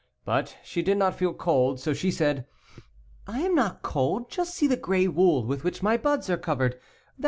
But she did not feel cold, so she said: "I am not cold. Just see the gray wool with which my buds are covered. That